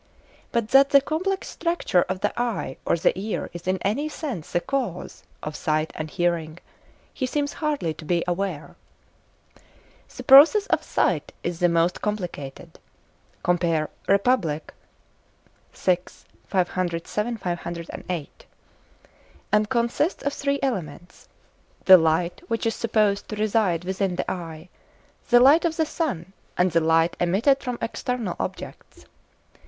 But that the complex structure of the eye or the ear is in any sense the cause of sight and hearing he seems hardly to be aware. The process of sight is the most complicated (Rep.), and consists of three elements—the light which is supposed to reside within the eye, the light of the sun, and the light emitted from external objects.